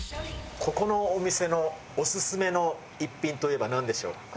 ここのお店のオススメの逸品といえばなんでしょう？